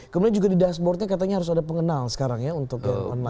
kemudian juga di dashboardnya katanya harus ada pengenal sekarang ya untuk yang online